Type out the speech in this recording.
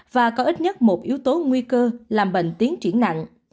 và có ít nhất một yếu tố nguy cơ làm bệnh tiến triển nặng